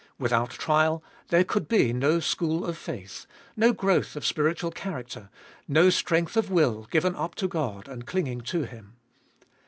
Without trial there could be no school of faith, no growth of spiritual character, no strength of will given up to God and clinging to Him.